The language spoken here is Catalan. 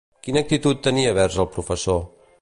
Quina actitud tenia vers el professor?